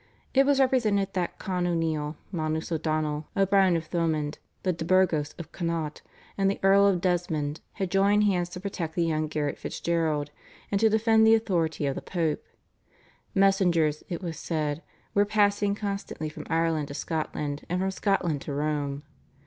It was represented that Con O'Neill, Manus O'Donnell, O'Brien of Thomond, the De Burgos of Connaught, and the Earl of Desmond had joined hands to protect the young Garrett Fitzgerald and to defend the authority of the Pope. Messengers, it was said, were passing constantly from Ireland to Scotland, and from Scotland to Rome.